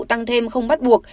tăng thêm không bắt buộc